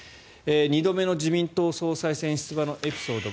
２度目の自民党総裁選出馬のエピソード